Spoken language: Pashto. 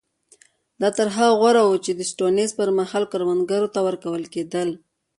دا تر هغه غوره وو چې د سټیونز پر مهال کروندګرو ته ورکول کېدل.